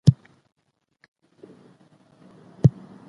جانانه ! نور څه اوس ما لره کم راځي په مخه